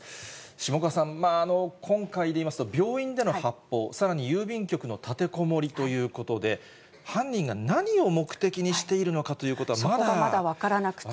下川さん、今回でいいますと、病院での発砲、さらに郵便局の立てこもりということで、犯人が何を目的にしているのかということは、そこはまだ分からなくて。